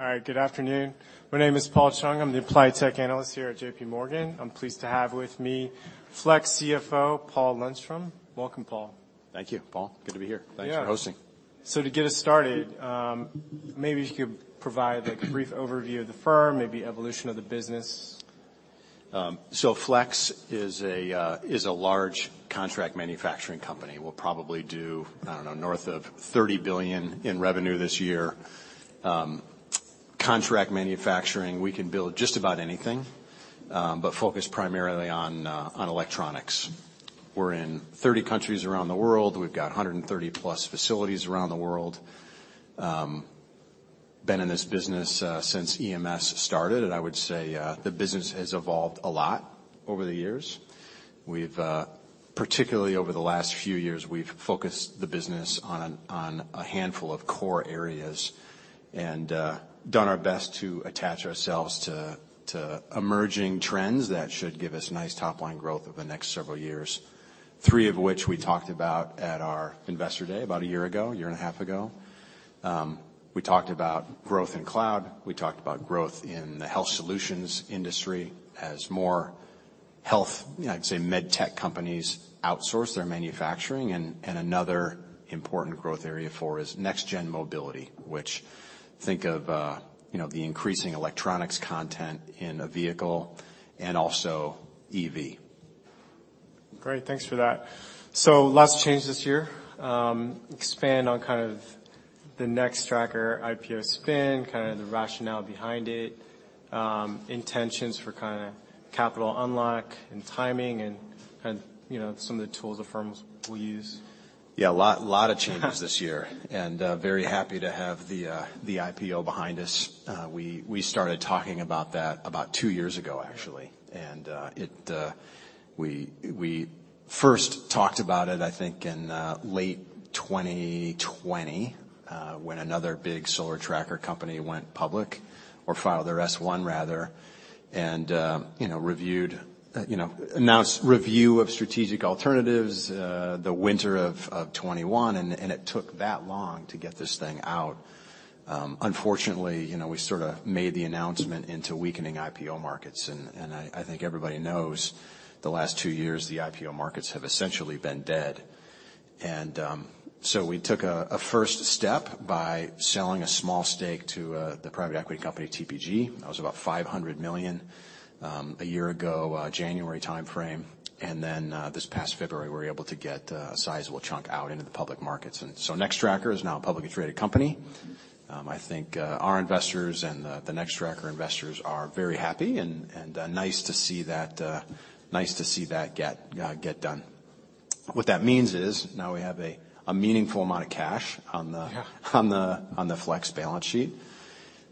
All right. Good afternoon. My name is Paul Chung. I'm the Applied Tech Analyst here at JPMorgan. I'm pleased to have with me Flex CFO, Paul Lundstrom. Welcome, Paul. Thank you, Paul. Good to be here. Yeah. Thanks for hosting. To get us started, maybe if you could provide like a brief overview of the firm, maybe evolution of the business. Flex is a large contract manufacturing company. We'll probably do, I don't know, north of $30 billion in revenue this year. Contract manufacturing, we can build just about anything, focused primarily on electronics. We're in 30 countries around the world. We've got 130 plus facilities around the world. Been in this business since EMS started, I would say the business has evolved a lot over the years. We've particularly over the last few years, we've focused the business on a handful of core areas, done our best to attach ourselves to emerging trends that should give us nice top-line growth over the next several years. Three of which we talked about at our Investor Day about a year ago, a year and a half ago. We talked about growth in cloud, we talked about growth in the Health Solutions industry as more health, you know, I'd say medtech companies outsource their manufacturing. Another important growth area for is next gen mobility, which think of, you know, the increasing electronics content in a vehicle and also EV. Great. Thanks for that. Lots of change this year. Expand on kind of the Nextracker IPO spin, kind of the rationale behind it, intentions for kinda capital unlock and timing and, you know, some of the tools the firms will use. Yeah, a lot of changes this year, very happy to have the IPO behind us. We started talking about that about two years ago, actually. We first talked about it, I think, in late 2020, when another big solar tracker company went public or filed their S-1 rather, you know, reviewed, you know, announced review of strategic alternatives, the winter of 2021, and it took that long to get this thing out. Unfortunately, you know, we sort of made the announcement into weakening IPO markets, and I think everybody knows the last two years, the IPO markets have essentially been dead. We took a first step by selling a small stake to the private equity company, TPG. That was about $500 million a year ago, January timeframe. This past February, we were able to get a sizable chunk out into the public markets. Nextracker is now a publicly traded company. I think our investors and the Nextracker investors are very happy and nice to see that get done. What that means is now we have a meaningful amount of cash on the- Yeah On the Flex balance sheet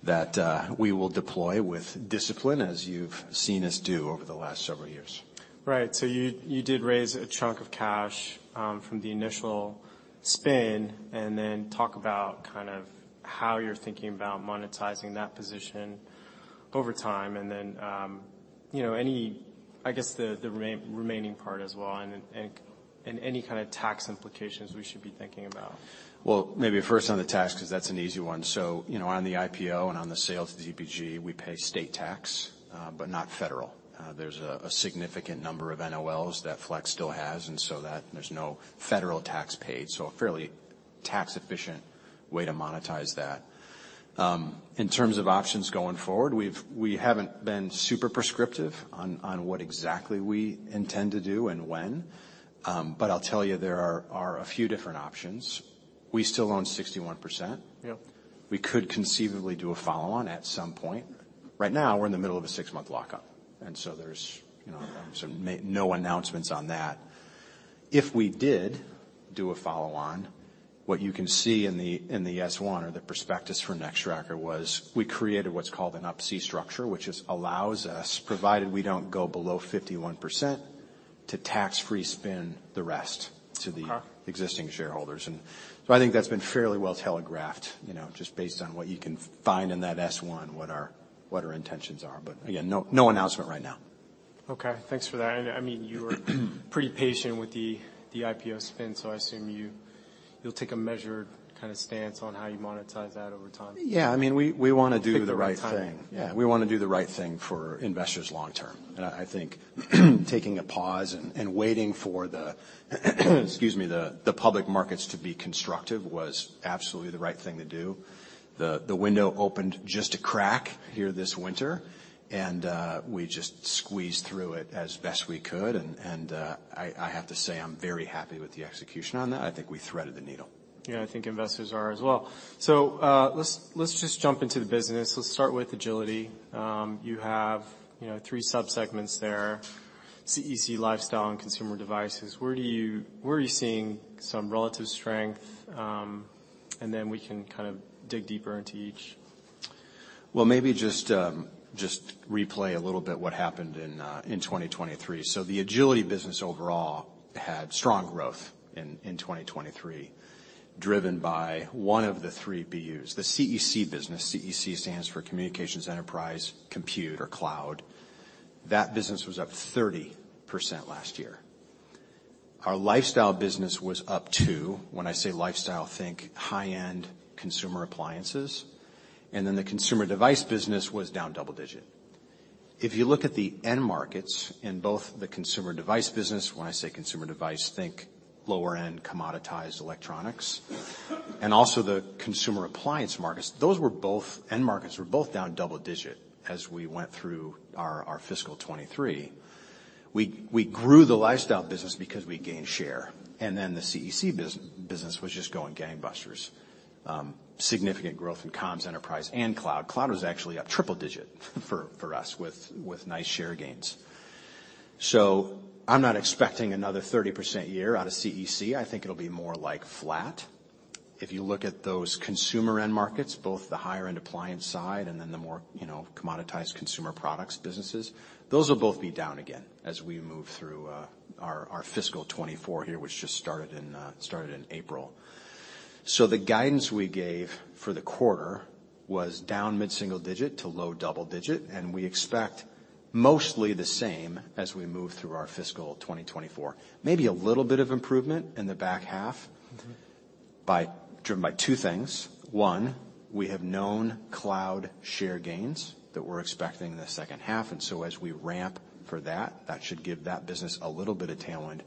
that we will deploy with discipline, as you've seen us do over the last several years. Right. You, you did raise a chunk of cash, from the initial spin, and then talk about kind of how you're thinking about monetizing that position over time. Then, you know, any I guess the remaining part as well and any kind of tax implications we should be thinking about. Well, maybe first on the tax, because that's an easy one. You know, on the IPO and on the sale to the TPG, we pay state tax, but not federal. There's a significant number of NOLs that Flex still has, that there's no federal tax paid, a fairly tax-efficient way to monetize that. In terms of options going forward, we haven't been super prescriptive on what exactly we intend to do and when. I'll tell you, there are a few different options. We still own 61%. Yep. We could conceivably do a follow-on at some point. Right now, we're in the middle of a six month lockup, there's, you know, no announcements on that. If we did do a follow-on, what you can see in the, in the S-1 or the prospectus for Nextracker was we created what's called an Up-C structure, which allows us, provided we don't go below 51%, to tax-free spin the rest to the- Okay Existing shareholders. I think that's been fairly well telegraphed, you know, just based on what you can find in that S-1, what our, what our intentions are. Again, no announcement right now. Okay. Thanks for that. I mean, you were pretty patient with the IPO spin, so I assume you'll take a measured kind of stance on how you monetize that over time. Yeah. I mean, we wanna do the right thing. Yeah. We wanna do the right thing for investors long term. I think taking a pause and waiting for the, excuse me, the public markets to be constructive was absolutely the right thing to do. The window opened just a crack here this winter, we just squeezed through it as best we could. I have to say, I'm very happy with the execution on that. I think we threaded the needle. Yeah, I think investors are as well. Let's just jump into the business. Let's start with Agility. You have, you know, 3 sub-segments there, CEC, Lifestyle, and Consumer Devices. Where are you seeing some relative strength? We can kind of dig deeper into each. Maybe just replay a little bit what happened in 2023. The Agility business overall had strong growth in 2023, driven by one of the three BUs. The CEC business, CEC stands for Communications, Enterprise and Cloud. That business was up 30% last year. Our Lifestyle business was up 2%. When I say Lifestyle, think high-end consumer appliances. The Consumer Devices business was down double-digit. If you look at the end markets in both the Consumer Devices business, when I say Consumer Devices, think lower-end commoditized electronics, and also the consumer appliance markets, those end markets were both down double-digit as we went through our fiscal 2023. We grew the Lifestyle business because we gained share. The CEC business was just going gangbusters. Significant growth in comms, Enterprise and Cloud. Cloud was actually up triple-digit for us with nice share gains. I'm not expecting another 30% year out of CEC. I think it'll be more like flat. If you look at those consumer end markets, both the higher end appliance side and then the more, you know, commoditized consumer products businesses, those will both be down again as we move through our fiscal 2024 here, which just started in April. The guidance we gave for the quarter was down mid-single-digit to low-double-digit, and we expect mostly the same as we move through our fiscal 2024. Maybe a little bit of improvement in the back half. Mm-hmm. Driven by two things. One, we have known cloud share gains that we're expecting in the second half. As we ramp for that should give that business a little bit of tailwind.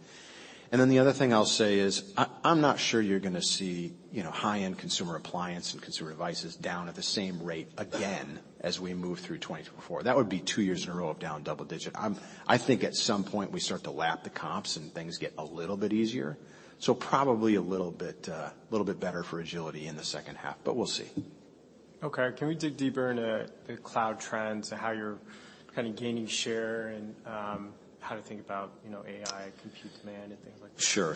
The other thing I'll say is I'm not sure you're gonna see, you know, high-end consumer appliance and Consumer Devices down at the same rate again as we move through 2024. That would be two years in a row of down double-digit. I think at some point we start to lap the comps and things get a little bit easier. Probably a little bit, a little bit better for Agility in the second half, but we'll see. Can we dig deeper into the cloud trends and how you're kind of gaining share and how to think about, you know, AI, compute demand and things like that? Sure.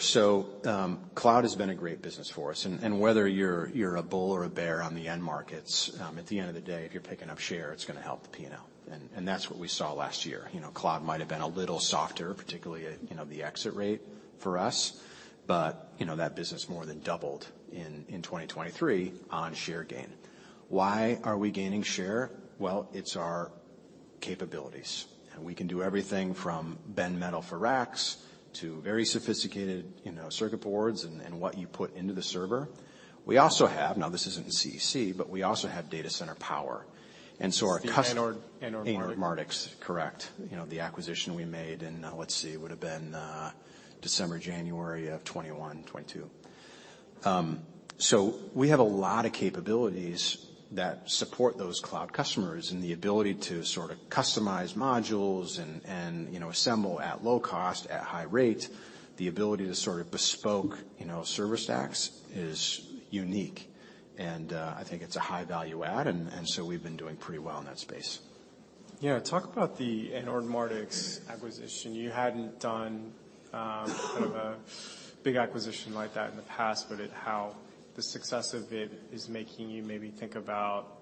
cloud has been a great business for us. whether you're a bull or a bear on the end markets, at the end of the day, if you're picking up share, it's gonna help the P&L. that's what we saw last year. You know, cloud might have been a little softer, particularly at, you know, the exit rate for us, but, you know, that business more than doubled in 2023 on share gain. Why are we gaining share? Well, it's our capabilities. we can do everything from bend metal for racks to very sophisticated, you know, circuit boards and what you put into the server. Now this isn't CEC, but we also have data center power. Anord Mardix. Anord Mardix. Correct. You know, the acquisition we made in, let's see, would have been December, January of 2021, 2022. We have a lot of capabilities that support those cloud customers, and the ability to sort of customize modules and, you know, assemble at low cost at high rate, the ability to sort of bespoke, you know, server stacks is unique. I think it's a high value add, and so we've been doing pretty well in that space. Talk about the Anord Mardix acquisition. You hadn't done, kind of a big acquisition like that in the past, but how the success of it is making you maybe think about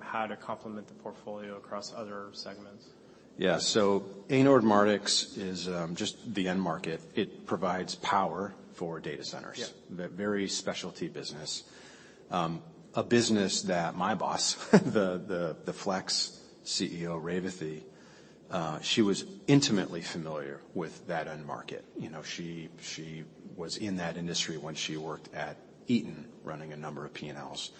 how to complement the portfolio across other segments. Yeah. Anord Mardix is, just the end market. It provides power for data centers. Yeah. Very specialty business. A business that my boss, the Flex CEO, Revathi, she was intimately familiar with that end market. You know, she was in that industry when she worked at Eaton running a number of P&Ls.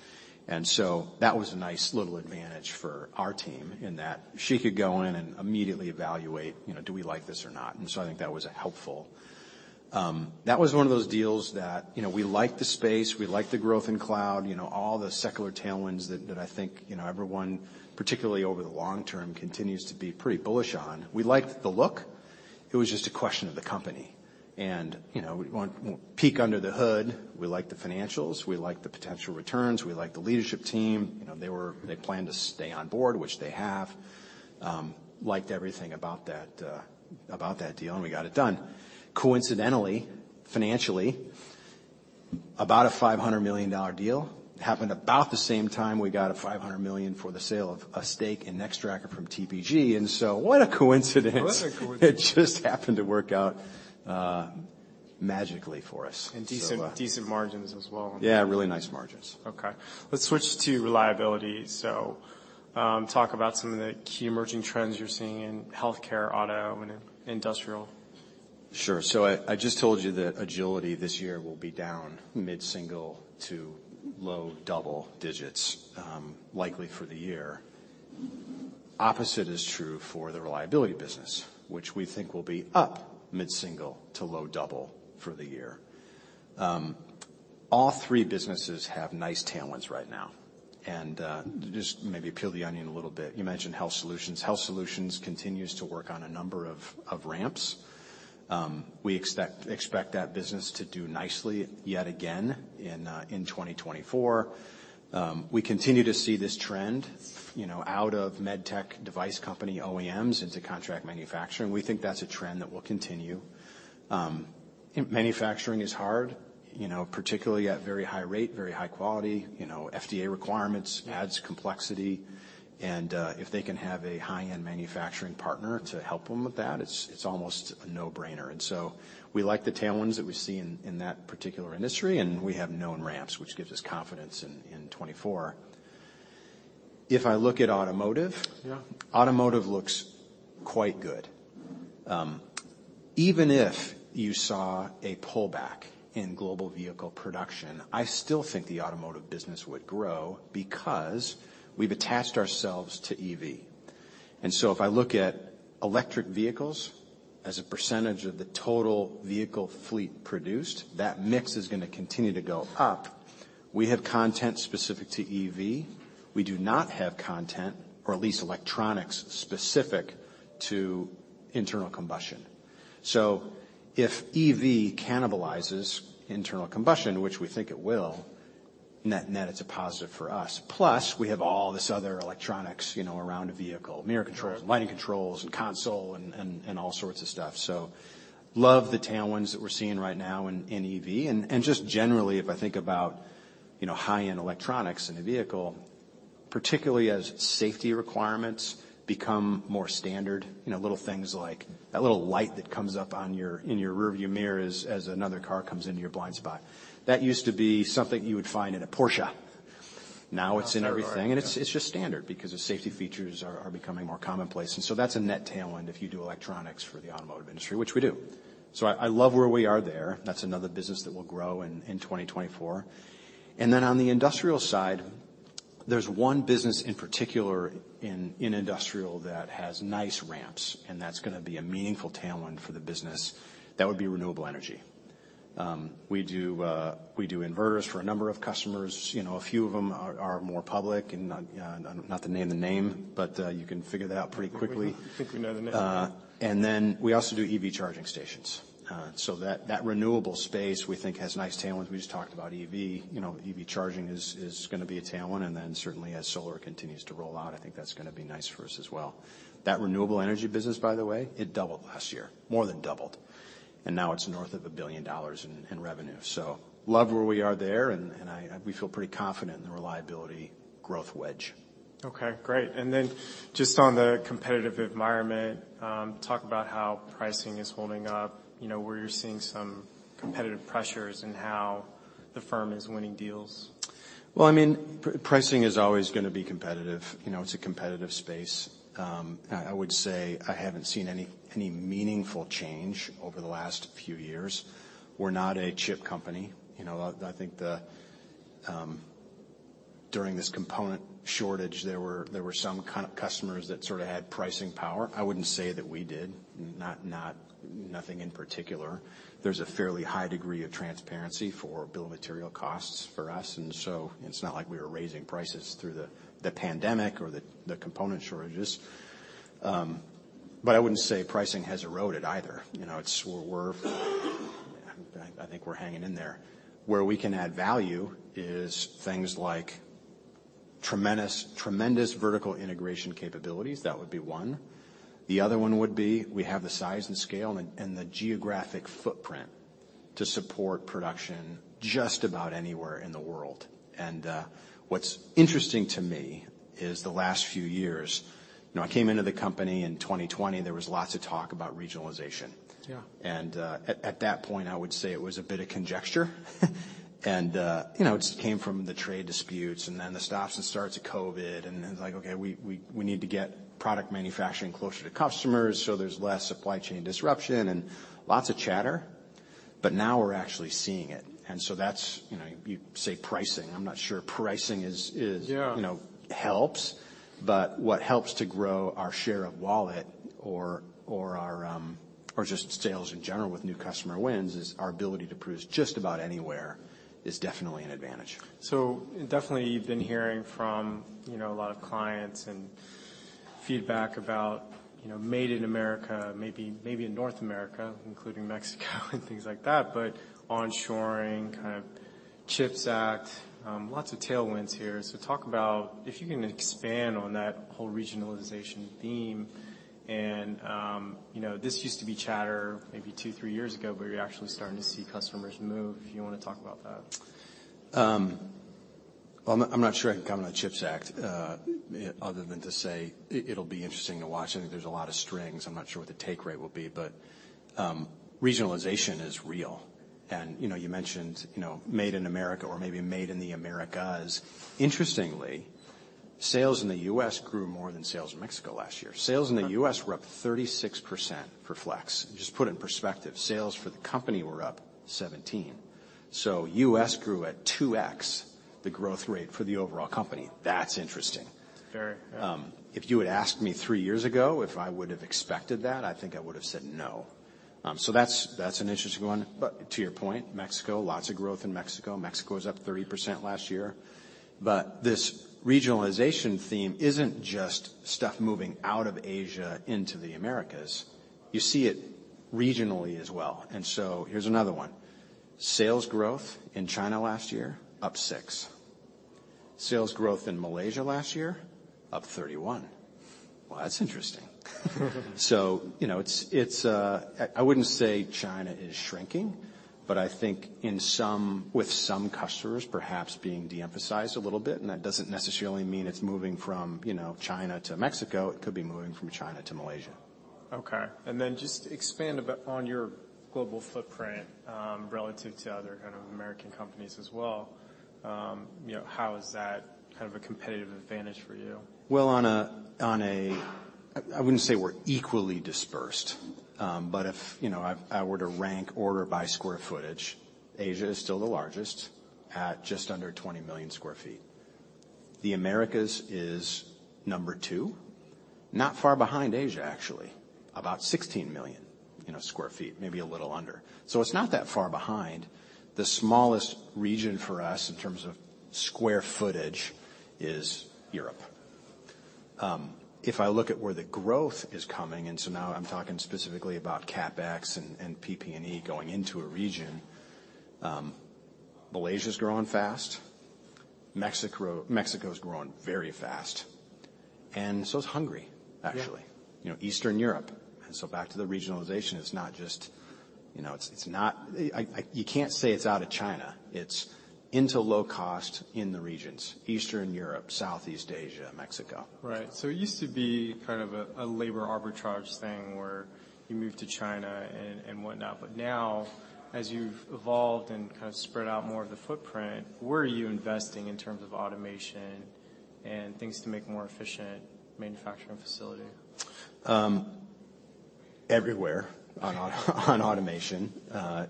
That was a nice little advantage for our team in that she could go in and immediately evaluate, you know, do we like this or not. I think that was helpful. That was one of those deals that, you know, we like the space, we like the growth in cloud, you know, all the secular tailwinds that I think, you know, everyone, particularly over the long term, continues to be pretty bullish on. We liked the look. It was just a question of the company. You know, we want to peek under the hood. We like the financials. We like the potential returns. We like the leadership team. You know, they planned to stay on board, which they have. Liked everything about that, about that deal, and we got it done. Coincidentally, financially, about a $500 million deal happened about the same time we got a $500 million for the sale of a stake in Nextracker from TPG. What a coincidence. What a coincidence. It just happened to work out, magically for us. Decent margins as well. Really nice margins. Okay, let's switch to Reliability. Talk about some of the key emerging trends you're seeing in healthcare, auto, and in industrial? Sure. I just told you that Agility this year will be down mid-single to low double digits, likely for the year. Opposite is true for the reliability business, which we think will be up mid-single to low double for the year. All three businesses have nice tailwinds right now. Just maybe peel the onion a little bit. You mentioned Health Solutions. Health Solutions continues to work on a number of ramps. We expect that business to do nicely yet again in 2024. We continue to see this trend, you know, out of med tech device company OEMs into contract manufacturing. We think that's a trend that will continue. Manufacturing is hard, you know, particularly at very high rate, very high quality. You know, FDA requirements adds complexity. If they can have a high-end manufacturing partner to help them with that, it's almost a no-brainer. We like the tailwinds that we see in that particular industry, and we have known ramps, which gives us confidence in 2024. If I look at automotive- Yeah Automotive looks quite good. Even if you saw a pullback in global vehicle production, I still think the automotive business would grow because we've attached ourselves to EV. If I look at electric vehicles as a percentage of the total vehicle fleet produced, that mix is gonna continue to go up. We have content specific to EV. We do not have content, or at least electronics specific to internal combustion. If EV cannibalizes internal combustion, which we think it will, net, it's a positive for us. Plus, we have all this other electronics, you know, around a vehicle: mirror controls, lighting controls, and console, and all sorts of stuff. Love the tailwinds that we're seeing right now in EV. Just generally, if I think about, you know, high-end electronics in a vehicle, particularly as safety requirements become more standard. You know, little things like that little light that comes up in your rearview mirror as another car comes into your blind spot. That used to be something you would find in a Porsche. Now it's in everything. Now it's standard. Yeah And it's just standard because the safety features are becoming more commonplace. That's a net tailwind if you do electronics for the automotive industry, which we do. I love where we are there. That's another business that will grow in 2024. On the industrial side, there's one business in particular in industrial that has nice ramps, and that's gonna be a meaningful tailwind for the business. That would be renewable energy. We do inverters for a number of customers. You know, a few of them are more public. Not to name the name, but you can figure that out pretty quickly. I think we know the name. We also do EV charging stations. That renewable space we think has nice tailwinds. We just talked about EV. You know, EV charging is gonna be a tailwind. Certainly as solar continues to roll out, I think that's gonna be nice for us as well. That renewable energy business, by the way, it doubled last year. More than doubled. Now it's north of $1 billion in revenue. Love where we are there, we feel pretty confident in the reliability growth wedge. Okay, great. Just on the competitive environment, talk about how pricing is holding up, you know, where you're seeing some competitive pressures and how the firm is winning deals. Well, I mean, pricing is always gonna be competitive. You know, it's a competitive space. I would say I haven't seen any meaningful change over the last few years. We're not a chip company. You know, I think the, during this component shortage, there were some customers that sort of had pricing power. I wouldn't say that we did. Nothing in particular. It's not like we were raising prices through the pandemic or the component shortages. I wouldn't say pricing has eroded either. You know, it's, I think we're hanging in there. Where we can add value is things like tremendous vertical integration capabilities, that would be one. The other one would be we have the size and scale and the geographic footprint to support production just about anywhere in the world. What's interesting to me is the last few years, you know, I came into the company in 2020, there was lots of talk about regionalization. Yeah. At that point, I would say it was a bit of conjecture. You know, it came from the trade disputes and then the stops and starts of COVID, and it was like, okay, we need to get product manufacturing closer to customers so there's less supply chain disruption and lots of chatter. Now we're actually seeing it. That's, you know. You say pricing, I'm not sure pricing is. Yeah You know, helps. What helps to grow our share of wallet or our, or just sales in general with new customer wins is our ability to produce just about anywhere is definitely an advantage. Definitely you've been hearing from, you know, a lot of clients and feedback about, you know, made in America, maybe in North America, including Mexico and things like that. Onshoring, kind of CHIPS Act, lots of tailwinds here. Talk about if you can expand on that whole regionalization theme and, you know, this used to be chatter maybe two, three years ago, but you're actually starting to see customers move. Do you wanna talk about that? Well, I'm not sure I can comment on CHIPS Act other than to say it'll be interesting to watch. I think there's a lot of strings. I'm not sure what the take rate will be, but regionalization is real. You know, you mentioned, you know, made in America or maybe made in the Americas. Interestingly, sales in the U.S. grew more than sales in Mexico last year. Sales in the U.S. were up 36% for Flex. Just put it in perspective, sales for the company were up 17%. U.S. grew at 2x the growth rate for the overall company. That's interesting. Very. If you had asked me three years ago if I would have expected that, I think I would have said no. That's an interesting one. To your point, Mexico, lots of growth in Mexico. Mexico was up 30% last year. This regionalization theme isn't just stuff moving out of Asia into the Americas. You see it regionally as well. Here's another one. Sales growth in China last year, up 6. Sales growth in Malaysia last year, up 31. That's interesting. You know, it's, I wouldn't say China is shrinking, but I think with some customers perhaps being de-emphasized a little bit, and that doesn't necessarily mean it's moving from, you know, China to Mexico. It could be moving from China to Malaysia. Okay. Just expand a bit on your global footprint, relative to other kind of American companies as well. You know, how is that kind of a competitive advantage for you? Well, I wouldn't say we're equally dispersed. If, you know, I were to rank order by square footage, Asia is still the largest at just under 20 million sq ft. The Americas is number two, not far behind Asia, actually. About 16 million, you know, square feet, maybe a little under. It's not that far behind. The smallest region for us in terms of square footage is Europe. If I look at where the growth is coming, and so now I'm talking specifically about CapEx and PP&E going into a region, Malaysia's growing fast. Mexico's growing very fast, and so is Hungary, actually. Yeah. You know, Eastern Europe. Back to the regionalization, it's not just, you know, it's not You can't say it's out of China. It's into low cost in the regions, Eastern Europe, Southeast Asia, Mexico. Right. It used to be kind of a labor arbitrage thing where you move to China and whatnot. Now, as you've evolved and kind of spread out more of the footprint, where are you investing in terms of automation and things to make more efficient manufacturing facility? Everywhere on automation.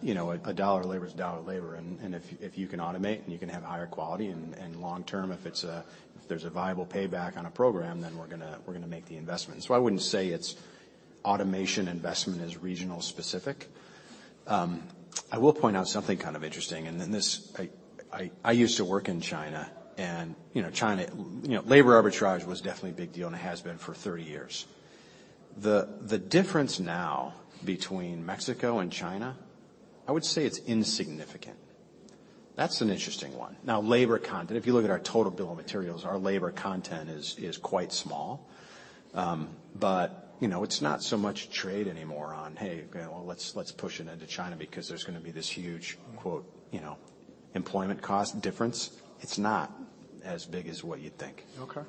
you know, a dollar of labor is a dollar of labor, and if you can automate and you can have higher quality and long term, if there's a viable payback on a program, then we're gonna make the investment. I wouldn't say it's automation investment is regional specific. I will point out something kind of interesting. This I used to work in China and, you know, China, you know, labor arbitrage was definitely a big deal and it has been for 30 years. The difference now between Mexico and China, I would say it's insignificant. That's an interesting one. Labor content, if you look at our total bill of materials, our labor content is quite small. You know, it's not so much trade anymore on, "Hey, well, let's push it into China because there's gonna be this huge, quote, you know, employment cost difference." It's not as big as what you'd think. Okay.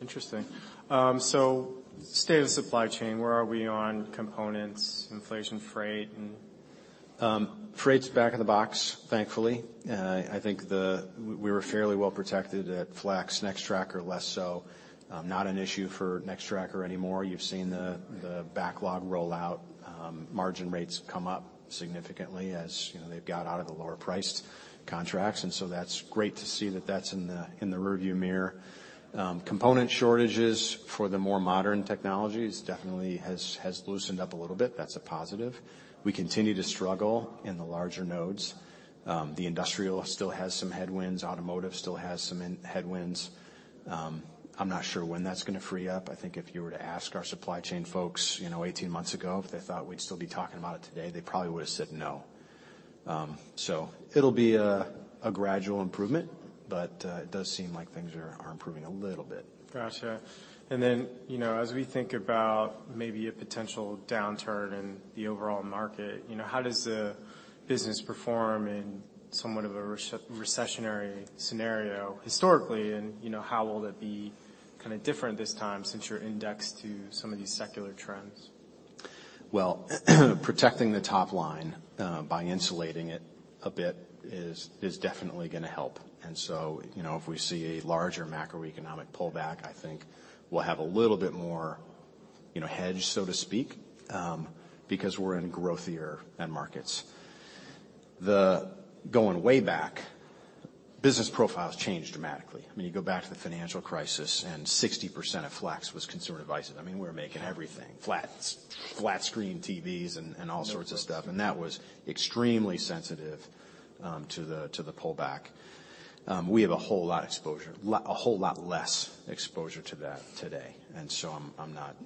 Interesting. State of the supply chain, where are we on components, inflation, freight, Freight's back in the box, thankfully. I think we were fairly well-protected at Flex. Nextracker, less so. Not an issue for Nextracker anymore. You've seen Right The backlog roll out. margin rates come up significantly as, you know, they've got out of the lower priced contracts, that's great to see that that's in the rearview mirror. component shortages for the more modern technologies definitely has loosened up a little bit. That's a positive. We continue to struggle in the larger nodes. the industrial still has some headwinds. Automotive still has some in-headwinds. I'm not sure when that's gonna free up. I think if you were to ask our supply chain folks, you know, 18 months ago, if they thought we'd still be talking about it today, they probably would've said no. it'll be a gradual improvement, but it does seem like things are improving a little bit. Gotcha. You know, as we think about maybe a potential downturn in the overall market, you know, how does the business perform in somewhat of a recessionary scenario historically? You know, how will it be kinda different this time since you're indexed to some of these secular trends? Well, protecting the top line, by insulating it a bit is definitely gonna help. You know, if we see a larger macroeconomic pullback, I think we'll have a little bit more, you know, hedge, so to speak, because we're in growthier end markets. The going way back, business profiles change dramatically. I mean, you go back to the financial crisis, and 60% of Flex was Consumer Devices. I mean, we were making everything. Flat screen TVs and all sorts of stuff. No jokes. That was extremely sensitive to the pullback. We have a whole lot less exposure to that today, and so I'm not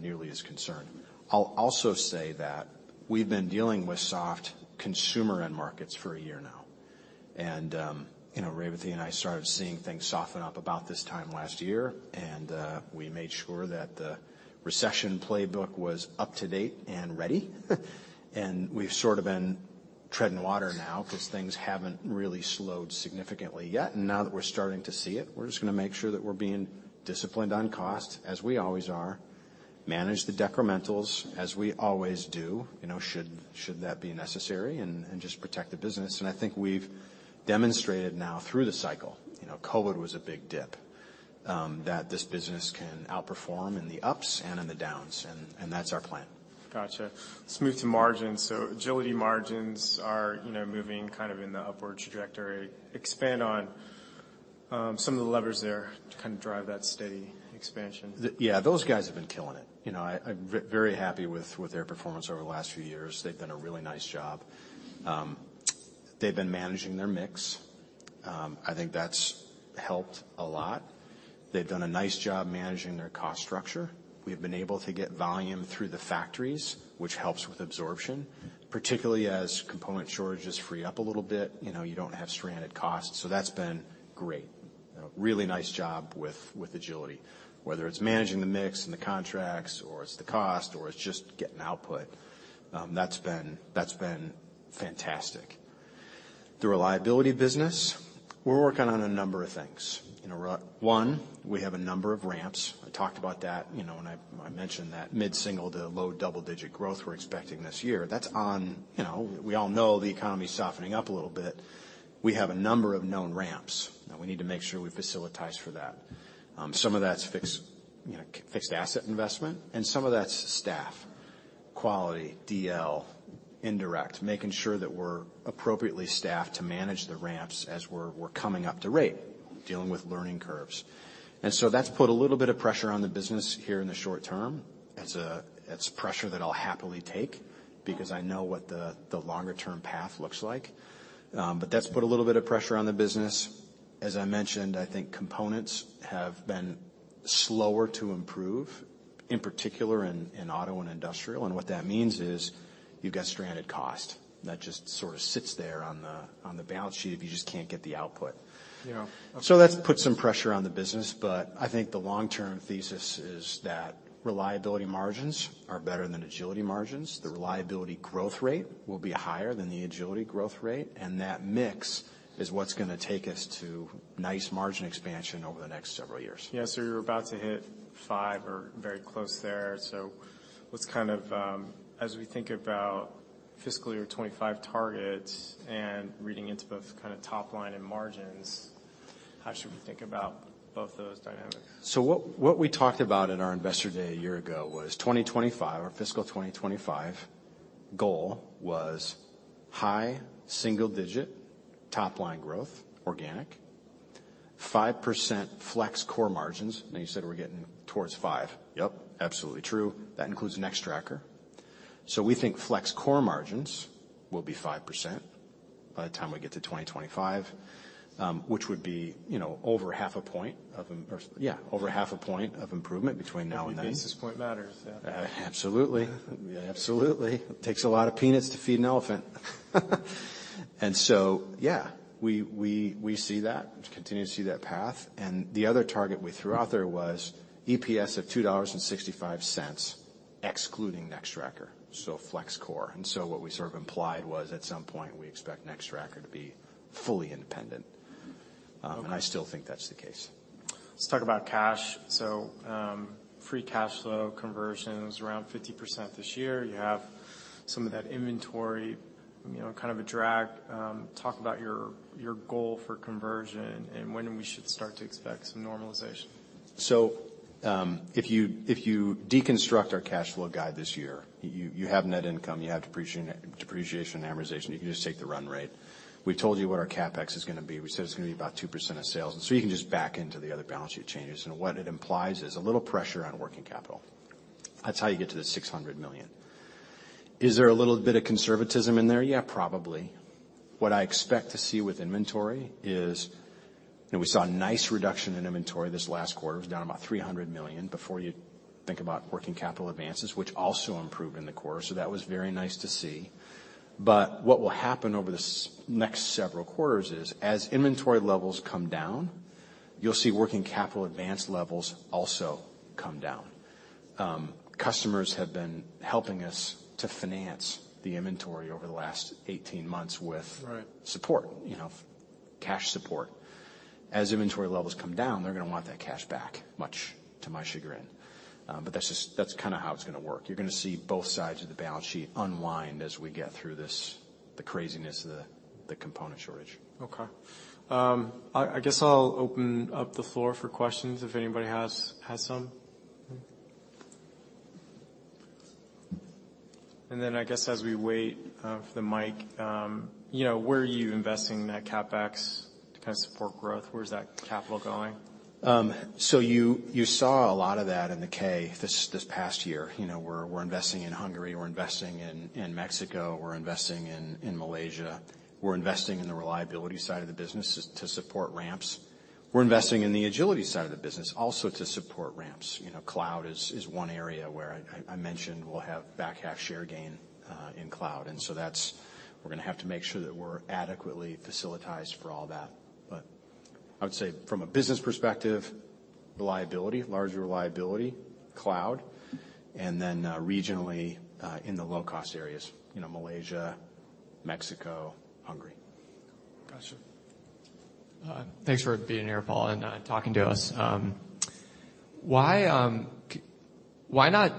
nearly as concerned. I'll also say that we've been dealing with soft consumer end markets for a year now. You know, Revathi and I started seeing things soften up about this time last year, and we made sure that the recession playbook was up to date and ready. We've sort of been treading water now 'cause things haven't really slowed significantly yet. Now that we're starting to see it, we're just gonna make sure that we're being disciplined on cost, as we always are. Manage the decrementals, as we always do, you know, should that be necessary, and just protect the business. I think we've demonstrated now through the cycle, you know, COVID was a big dip, that this business can outperform in the ups and in the downs, and that's our plan. Gotcha. Let's move to margins. Agility margins are, you know, moving kind of in the upward trajectory. Expand on some of the levers there to kind of drive that steady expansion. Yeah, those guys have been killing it. You know, I'm very happy with their performance over the last few years. They've done a really nice job. They've been managing their mix. I think that's helped a lot. They've done a nice job managing their cost structure. We've been able to get volume through the factories, which helps with absorption, particularly as component shortages free up a little bit. You know, you don't have stranded costs. So that's been great. You know, really nice job with Agility, whether it's managing the mix and the contracts or it's the cost or it's just getting output. That's been fantastic. The Reliability business, we're working on a number of things. You know, one, we have a number of ramps. I talked about that, you know, when I mentioned that mid-single to low double-digit growth we're expecting this year. You know, we all know the economy is softening up a little bit. We have a number of known ramps. Now we need to make sure we've facilitized for that. Some of that's fixed, you know, fixed asset investment, and some of that's staff, quality, DL, indirect, making sure that we're appropriately staffed to manage the ramps as we're coming up to rate, dealing with learning curves. That's put a little bit of pressure on the business here in the short term. It's pressure that I'll happily take because I know what the longer-term path looks like. That's put a little bit of pressure on the business. As I mentioned, I think components have been slower to improve, in particular in auto and industrial. What that means is you've got stranded cost that just sort of sits there on the balance sheet if you just can't get the output. Yeah. That's put some pressure on the business. I think the long-term thesis is that reliability margins are better than agility margins. The reliability growth rate will be higher than the agility growth rate, and that mix is what's gonna take us to nice margin expansion over the next several years. You're about to hit five or very close there. What's kind of as we think about fiscal year 2025 targets and reading into both kind of top line and margins, how should we think about both those dynamics? What we talked about at our Investor Day a year ago was 2025, our fiscal 2025 goal was high single-digit top line growth, organic, 5% Core Flex margins. You said we're getting towards 5%. Yep, absolutely true. That includes Nextracker. We think Core Flex margins will be 5% by the time we get to 2025, which would be, you know, over half a point of improvement between now and then. Basis point matters, yeah. Absolutely. Absolutely. It takes a lot of peanuts to feed an elephant. Yeah, we see that, continue to see that path. The other target we threw out there was EPS of $2.65 excluding Nextracker, so Core Flex. I still think that's the case. Let's talk about cash. Free cash flow conversion is around 50% this year. You have some of that inventory, you know, kind of a drag. Talk about your goal for conversion and when we should start to expect some normalization. If you deconstruct our cash flow guide this year, you have net income, you have depreciation and amortization. You can just take the run rate. We told you what our CapEx is gonna be. We said it's gonna be about 2% of sales. You can just back into the other balance sheet changes. What it implies is a little pressure on working capital. That's how you get to the $600 million. Is there a little bit of conservatism in there? Yeah, probably. What I expect to see with inventory is. You know, we saw a nice reduction in inventory this last quarter. It was down about $300 million before you think about working capital advances, which also improved in the quarter. That was very nice to see. What will happen over the next several quarters is, as inventory levels come down, you'll see working capital advance levels also come down. Customers have been helping us to finance the inventory over the last 18 months with. Right Support, you know, cash support. As inventory levels come down, they're gonna want that cash back, much to my chagrin. That's kinda how it's gonna work. You're gonna see both sides of the balance sheet unwind as we get through this, the craziness of the component shortage. Okay. I guess I'll open up the floor for questions if anybody has some. I guess as we wait for the mic, you know, where are you investing that CapEx to kind of support growth? Where is that capital going? You saw a lot of that in the K this past year. You know, we're investing in Hungary, we're investing in Mexico, we're investing in Malaysia. We're investing in the reliability side of the business to support ramps. We're investing in the agility side of the business also to support ramps. You know, cloud is one area where I mentioned we'll have back half share gain in cloud. We're gonna have to make sure that we're adequately facilitized for all that. I would say from a business perspective, reliability, larger reliability, cloud, and then regionally in the low-cost areas, you know, Malaysia, Mexico, Hungary. Gotcha. Thanks for being here, Paul, and talking to us. Why not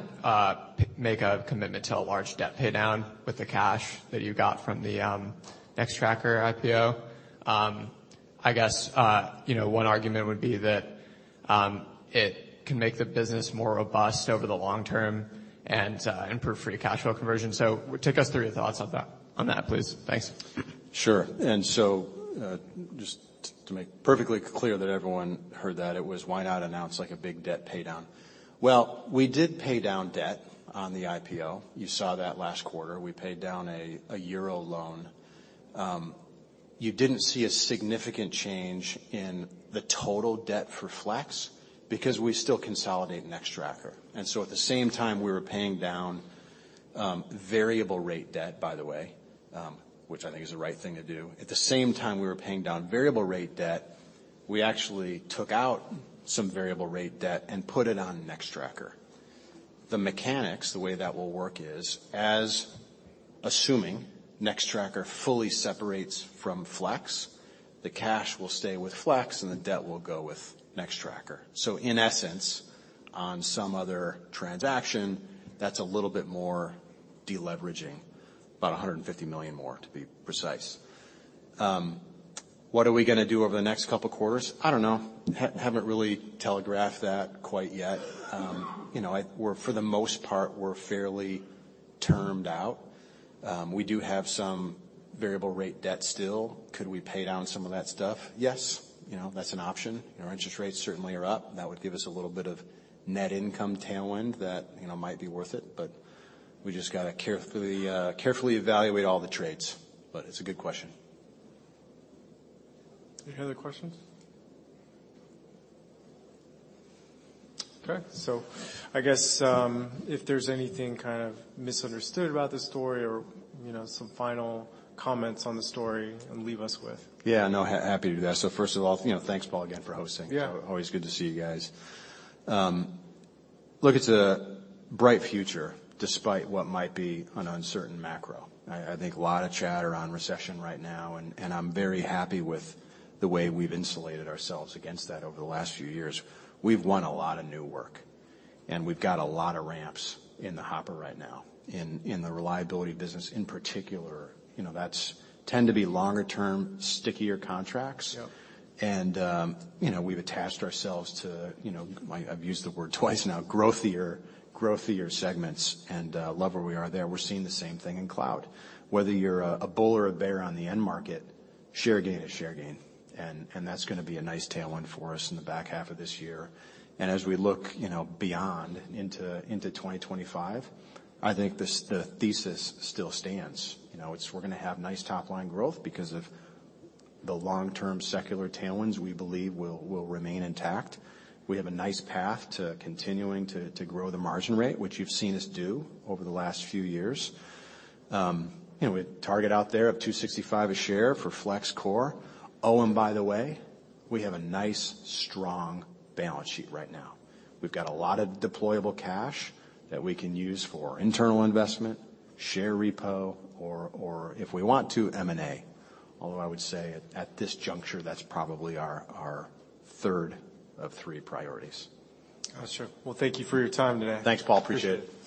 make a commitment to a large debt pay down with the cash that you got from the Nextracker IPO? I guess, you know, one argument would be that it can make the business more robust over the long term and improve free cash flow conversion. Take us through your thoughts on that, on that, please. Thanks. Sure. Just to make perfectly clear that everyone heard that, it was why not announce like a big debt pay down? Well, we did pay down debt on the IPO. You saw that last quarter. We paid down a euro loan. You didn't see a significant change in the total debt for Flex because we still consolidate Nextracker. At the same time we were paying down variable rate debt, by the way, which I think is the right thing to do. At the same time we were paying down variable rate debt, we actually took out some variable rate debt and put it on Nextracker. The mechanics, the way that will work is, as assuming Nextracker fully separates from Flex, the cash will stay with Flex and the debt will go with Nextracker. In essence, on some other transaction, that's a little bit more deleveraging, about $150 million more to be precise. What are we gonna do over the next couple of quarters? I don't know. Haven't really telegraphed that quite yet. You know, for the most part, we're fairly termed out. We do have some variable rate debt still. Could we pay down some of that stuff? Yes. You know, that's an option. Our interest rates certainly are up. That would give us a little bit of net income tailwind that, you know, might be worth it, but we just gotta carefully evaluate all the trades. It's a good question. Any other questions? Okay. I guess, if there's anything kind of misunderstood about this story or, you know, some final comments on the story and leave us with. Yeah, no, happy to do that. First of all, you know, thanks, Paul, again, for hosting. Yeah. Always good to see you guys. Look, it's a bright future despite what might be an uncertain macro. I think a lot of chatter on recession right now, and I'm very happy with the way we've insulated ourselves against that over the last few years. We've won a lot of new work, and we've got a lot of ramps in the hopper right now in the Reliability business, in particular. You know, that's tend to be longer term, stickier contracts. Yep. You know, we've attached ourselves to, you know, my-- I've used the word twice now, growthier segments, love where we are there. We're seeing the same thing in cloud. Whether you're a bull or a bear on the end market, share gain is share gain. That's gonna be a nice tailwind for us in the back half of this year. As we look, you know, beyond into 2025, I think this-- the thesis still stands. You know, it's we're gonna have nice top-line growth because of the long-term secular tailwinds we believe will remain intact. We have a nice path to continuing to grow the margin rate, which you've seen us do over the last few years. You know, we target out there of $2.65 a share for Flex core. By the way, we have a nice, strong balance sheet right now. We've got a lot of deployable cash that we can use for internal investment, share repo, or if we want to, M&A. Although I would say at this juncture, that's probably our third of three priorities. Gotcha. Well, thank you for your time today. Thanks, Paul. Appreciate it.